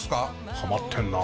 ハマってんなあ。